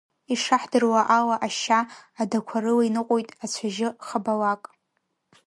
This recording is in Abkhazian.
Ишаҳдыруа ала ашьа, адақәа рыла иныҟәоит ацәажьы хабалак.